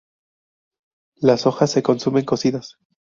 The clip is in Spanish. Las hojas se consumen cocidas.